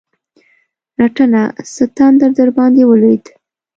رټنه؛ څه تندر درباندې ولوېد؟!